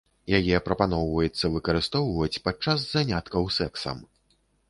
Яе прапаноўваецца выкарыстоўваць падчас заняткаў сэксам.